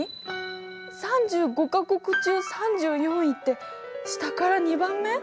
３５か国中３４位って下から２番目？